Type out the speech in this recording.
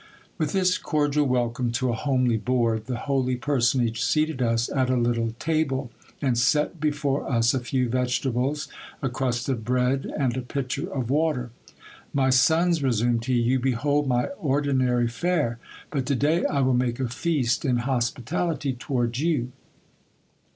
With this cordial welcome to a homely board, the holy personage seated us at a little table, and set before us a few vegetables, a crust of bread, and a pitcher of water. My sons, resumed he, you behold my ordinary fare, but to day I will make a feast in hospitality towards you.